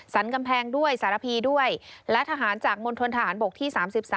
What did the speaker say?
กำแพงด้วยสารพีด้วยและทหารจากมณฑนทหารบกที่๓๓